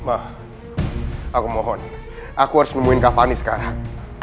mama aku mohon aku harus nemuin kak fani sekarang